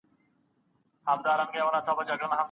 هر چا ته اجازه ورکړئ چي په خپله لاره لاړ سي.